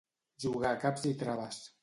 Jugar caps i traves.